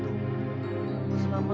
aku ego kesana